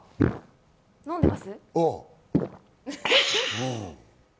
飲んでます？